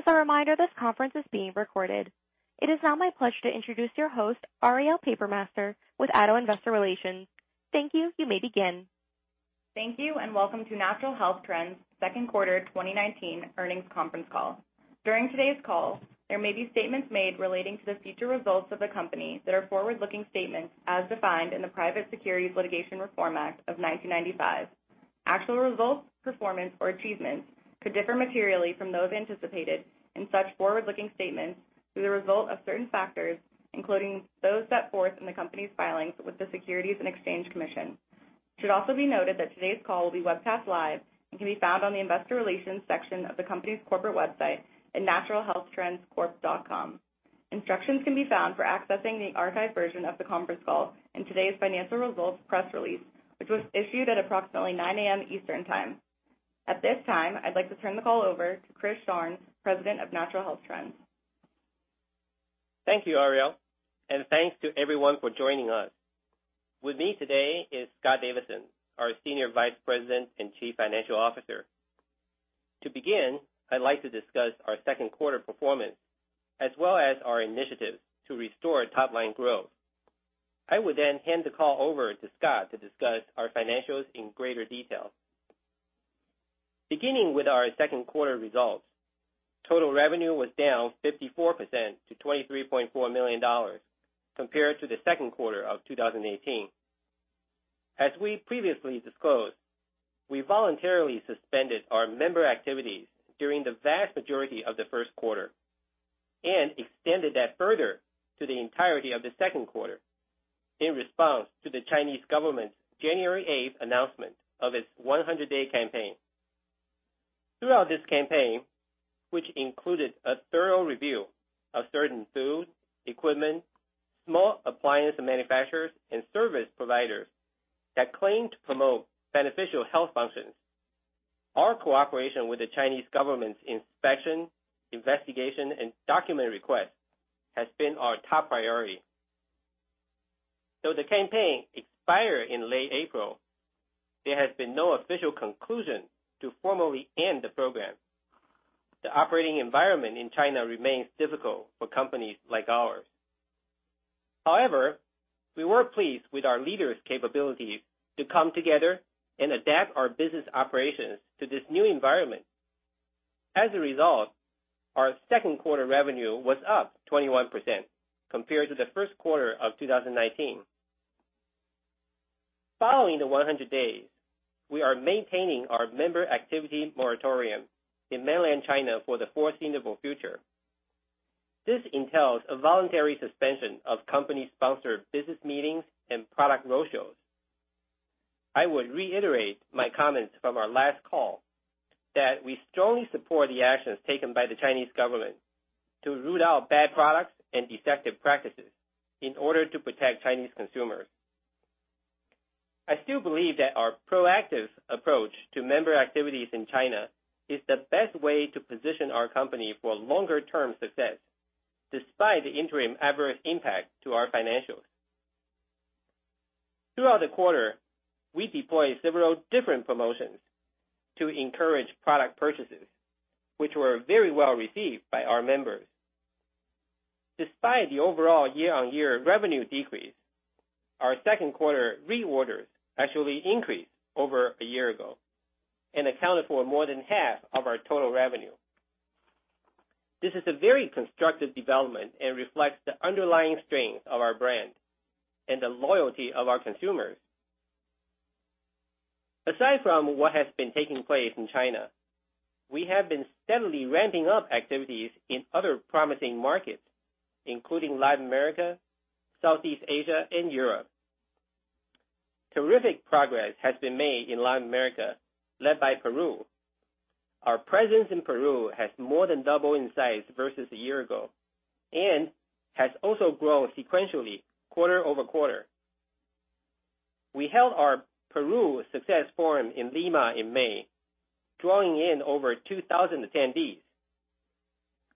As a reminder, this conference is being recorded. It is now my pleasure to introduce your host, Ariel Papermaster with Addo Investor Relations. Thank you. You may begin. Thank you, and welcome to Natural Health Trends' second quarter 2019 earnings conference call. During today's call, there may be statements made relating to the future results of the company that are forward-looking statements as defined in the Private Securities Litigation Reform Act of 1995. Actual results, performance, or achievements could differ materially from those anticipated in such forward-looking statements due to the result of certain factors, including those set forth in the company's filings with the Securities and Exchange Commission. It should also be noted that today's call will be webcast live and can be found on the investor relations section of the company's corporate website at naturalhealthtrendscorp.com. Instructions can be found for accessing the archived version of the conference call in today's financial results press release, which was issued at approximately 9:00 A.M. Eastern Time. At this time, I'd like to turn the call over to Chris Sharng, President of Natural Health Trends. Thank you, Arielle, and thanks to everyone for joining us. With me today is Scott Davidson, our Senior Vice President and Chief Financial Officer. To begin, I'd like to discuss our second quarter performance, as well as our initiatives to restore top-line growth. I will then hand the call over to Scott to discuss our financials in greater detail. Beginning with our second quarter results, total revenue was down 54% to $23.4 million compared to the second quarter of 2018. As we previously disclosed, we voluntarily suspended our member activities during the vast majority of the first quarter and extended that further to the entirety of the second quarter in response to the Chinese government's January 8th announcement of its 100-day campaign. Throughout this 100-day campaign, which included a thorough review of certain foods, equipment, small appliance manufacturers, and service providers that claim to promote beneficial health functions, our cooperation with the Chinese government's inspection, investigation, and document requests has been our top priority. Though the 100-day campaign expired in late April, there has been no official conclusion to formally end the program. The operating environment in China remains difficult for companies like ours. However, we were pleased with our leaders' capability to come together and adapt our business operations to this new environment. As a result, our second quarter revenue was up 21% compared to the first quarter of 2019. Following the 100 Days, we are maintaining our member activity moratorium in mainland China for the foreseeable future. This entails a voluntary suspension of company-sponsored business meetings and product roadshows. I would reiterate my comments from our last call that we strongly support the actions taken by the Chinese government to root out bad products and deceptive practices in order to protect Chinese consumers. I still believe that our proactive approach to member activities in China is the best way to position our company for longer-term success, despite the interim adverse impact to our financials. Throughout the quarter, we deployed several different promotions to encourage product purchases, which were very well received by our members. Despite the overall year-on-year revenue decrease, our second quarter reorders actually increased over a year ago and accounted for more than half of our total revenue. This is a very constructive development and reflects the underlying strength of our brand and the loyalty of our consumers. Aside from what has been taking place in China, we have been steadily ramping up activities in other promising markets, including Latin America, Southeast Asia, and Europe. Terrific progress has been made in Latin America, led by Peru. Our presence in Peru has more than doubled in size versus a year ago and has also grown sequentially quarter-over-quarter. We held our Peru Success Forum in Lima in May, drawing in over 2,000 attendees.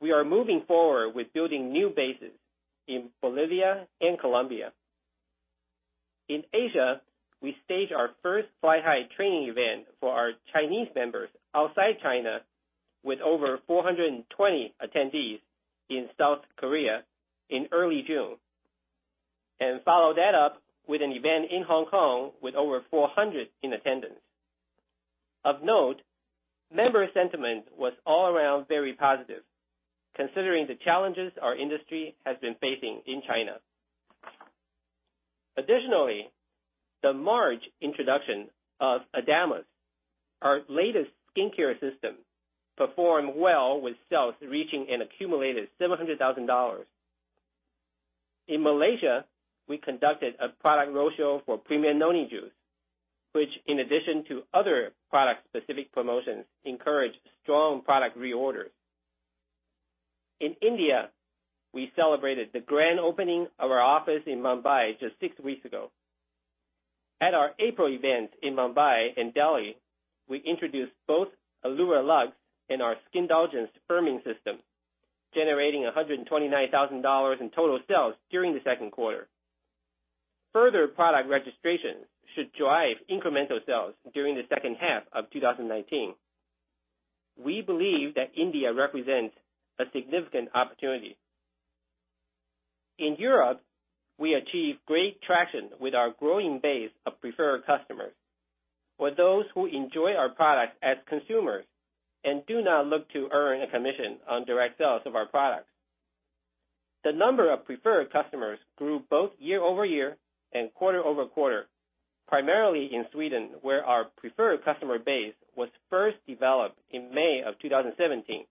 We are moving forward with building new bases in Bolivia and Colombia. In Asia, we staged our first Fly High training event for our Chinese members outside China with over 420 attendees in South Korea in early June and followed that up with an event in Hong Kong with over 400 in attendance. Of note, member sentiment was all around very positive, considering the challenges our industry has been facing in China. Additionally, the March introduction of ADAMAS, our latest skincare system, performed well, with sales reaching an accumulated $700,000. In Malaysia, we conducted a product roadshow for Premium Noni Juice, which in addition to other product-specific promotions, encouraged strong product reorders. In India, we celebrated the grand opening of our office in Mumbai just six weeks ago. At our April event in Mumbai and Delhi, we introduced both Alura Lux and our Skindulgence firming system, generating $129,000 in total sales during the second quarter. Further product registration should drive incremental sales during the second half of 2019. We believe that India represents a significant opportunity. In Europe, we achieve great traction with our growing base of preferred customers, or those who enjoy our product as consumers and do not look to earn a commission on direct sales of our products. The number of preferred customers grew both year-over-year and quarter-over-quarter, primarily in Sweden, where our preferred customer base was first developed in May of 2017.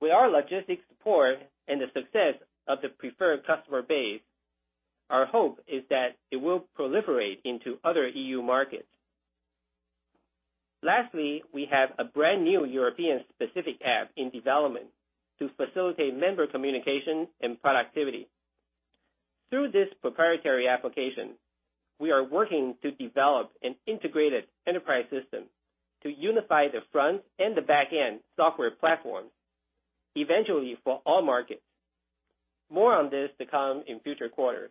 With our logistics support and the success of the preferred customer base, our hope is that it will proliferate into other EU markets. Lastly, we have a brand-new European-specific app in development to facilitate member communication and productivity. Through this proprietary application, we are working to develop an integrated enterprise system to unify the front and the back end software platforms, eventually for all markets. More on this to come in future quarters.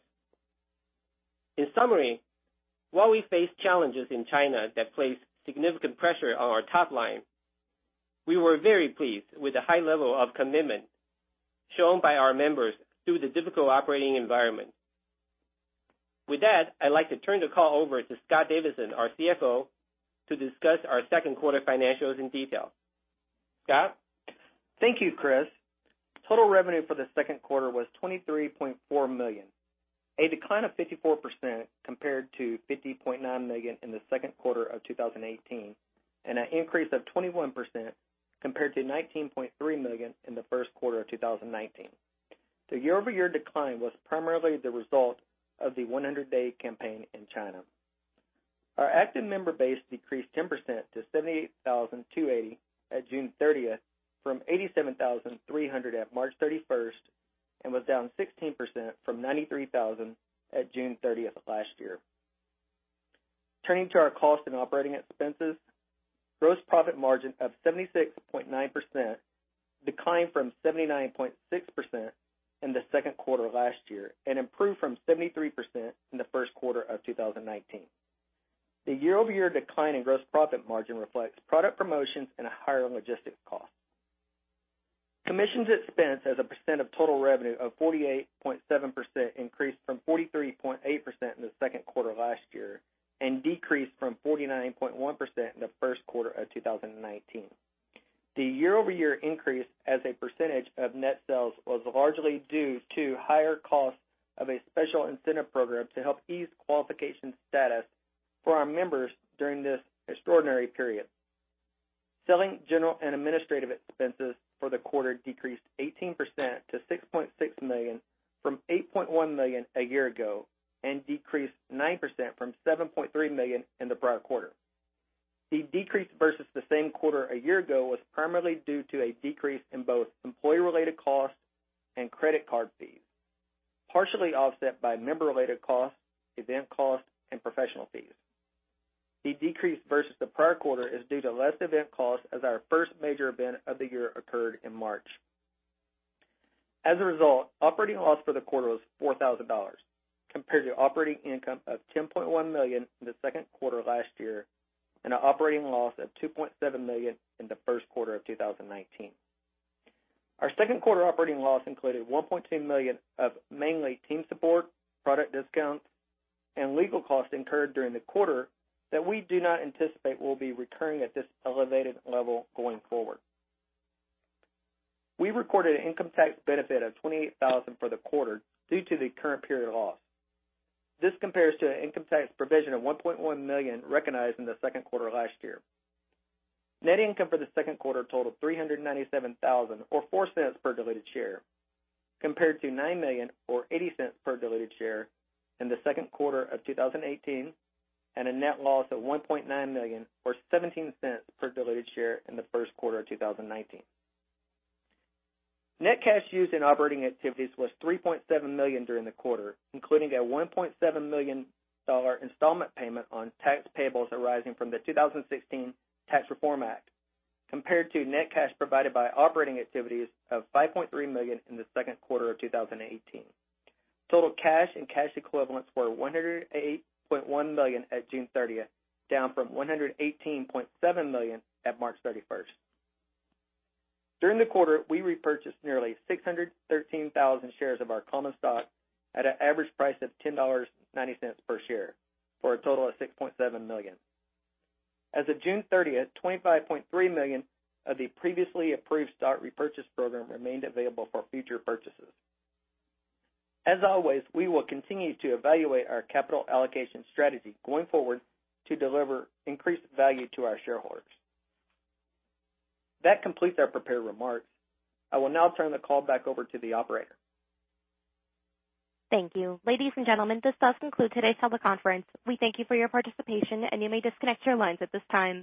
In summary, while we face challenges in China that place significant pressure on our top line, we were very pleased with the high level of commitment shown by our members through the difficult operating environment. With that, I'd like to turn the call over to Scott Davidson, our CFO, to discuss our second quarter financials in detail. Scott? Thank you, Chris. Total revenue for the second quarter was $23.4 million, a decline of 54% compared to $50.9 million in the second quarter of 2018, an increase of 21% compared to $19.3 million in the first quarter of 2019. The year-over-year decline was primarily the result of the 100-day campaign in China. Our active member base decreased 10% to 78,280 at June 30th from 87,300 at March 31st, was down 16% from 93,000 at June 30th last year. Turning to our cost and operating expenses, gross profit margin of 76.9% declined from 79.6% in the second quarter last year improved from 73% in the first quarter of 2019. The year-over-year decline in gross profit margin reflects product promotions and a higher logistics cost. Commissions expense as a % of total revenue of 48.7% increased from 43.8% in the second quarter last year and decreased from 49.1% in the first quarter of 2019. The year-over-year increase as a % of net sales was largely due to higher costs of a special incentive program to help ease qualification status for our members during this extraordinary period. Selling, general, and administrative expenses for the quarter decreased 18% to $6.6 million from $8.1 million a year ago and decreased 9% from $7.3 million in the prior quarter. The decrease versus the same quarter a year ago was primarily due to a decrease in both employee-related costs and credit card fees, partially offset by member-related costs, event costs, and professional fees. The decrease versus the prior quarter is due to less event costs as our first major event of the year occurred in March. As a result, operating loss for the quarter was $4,000, compared to operating income of $10.1 million in the second quarter last year and an operating loss of $2.7 million in the first quarter of 2019. Our second quarter operating loss included $1.2 million of mainly team support, product discounts, and legal costs incurred during the quarter that we do not anticipate will be recurring at this elevated level going forward. We recorded an income tax benefit of $28,000 for the quarter due to the current period loss. This compares to an income tax provision of $1.1 million recognized in the second quarter last year. Net income for the second quarter totaled $397,000 or $0.04 per diluted share, compared to $9 million or $0.80 per diluted share in the second quarter of 2018 and a net loss of $1.9 million or $0.17 per diluted share in the first quarter of 2019. Net cash used in operating activities was $3.7 million during the quarter, including a $1.7 million installment payment on tax payables arising from the Tax Cuts and Jobs Act of 2017, compared to net cash provided by operating activities of $5.3 million in the second quarter of 2018. Total cash and cash equivalents were $108.1 million at June 30th, down from $118.7 million at March 31st. During the quarter, we repurchased nearly 613,000 shares of our common stock at an average price of $10.90 per share for a total of $6.7 million. As of June 30th, $25.3 million of the previously approved stock repurchase program remained available for future purchases. As always, we will continue to evaluate our capital allocation strategy going forward to deliver increased value to our shareholders. That completes our prepared remarks. I will now turn the call back over to the operator. Thank you. Ladies and gentlemen, this does conclude today's teleconference. We thank you for your participation, and you may disconnect your lines at this time.